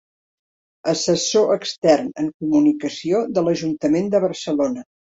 Assessor extern en comunicació de l'Ajuntament de Barcelona.